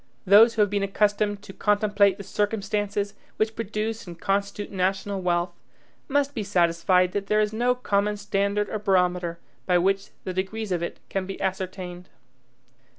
Those who have been accustomed to contemplate the circumstances which produce and constitute national wealth, must be satisfied that there is no common standard or barometer by which the degrees of it can be ascertained.